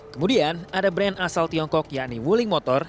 kemudian ada brand asal tiongkok yakni wuling motor